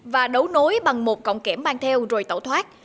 và đấu nối bằng một cọng kém mang theo rồi tẩu thoát